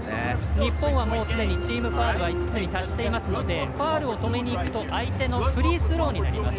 日本はチームファウルは５つに達しているのでファウルでとめにいくと相手のフリースローになります。